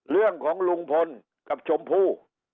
เรื่องของลุงพลกับชมพู่